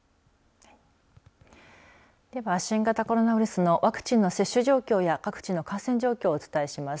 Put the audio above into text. では、新型コロナウイルスのワクチンの接種状況や各地の感染状況をお伝えします。